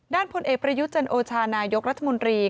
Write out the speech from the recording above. ด้านพลเอกประยุจจันโอชานายกรัฐมนตรี